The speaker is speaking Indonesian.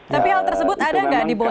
tapi hal tersebut ada nggak di bawah